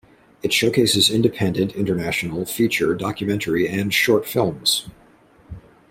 It showcases independent, international, feature, documentary and short films.